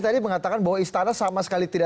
tetap bersama kami